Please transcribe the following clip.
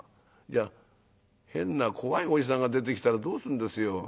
いや変な怖いおじさんが出てきたらどうするんですよ。